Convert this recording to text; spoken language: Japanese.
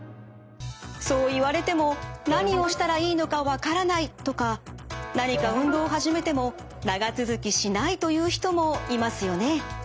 そう言われても何をしたらいいのか分からないとか何か運動を始めても長続きしないという人もいますよね。